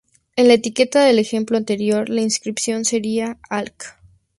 En la etiqueta del ejemplo anterior la inscripción sería: "alc.